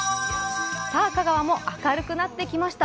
香川も明るくなってきました。